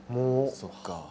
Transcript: そっか。